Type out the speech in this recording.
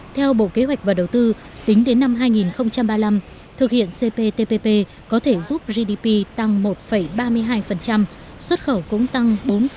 theo bộ kế hoạch và đầu tư tính đến năm hai nghìn ba mươi năm thực hiện cptpp có thể giúp gdp tăng một ba mươi hai xuất khẩu cũng tăng bốn năm